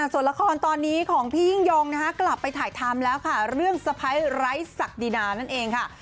ส่วนละครตอนนี้ของพี่ยิ่งยงกลับไปถ่ายทำแล้วค่ะเรื่องสะพ้ายไร้ศักดินานั่นเองค่ะ